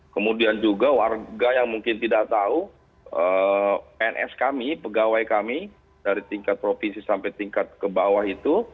kemudian juga warga yang mungkin tidak tahu pns kami pegawai kami dari tingkat provinsi sampai tingkat kebawah itu